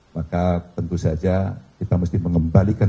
maka tentu saja kita mesti mengembalikan